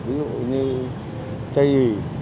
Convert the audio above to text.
ví dụ như chây gì